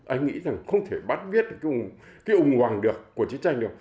anh nghĩ rằng không thể bắt viết cái ủng hoàng được của chiến tranh được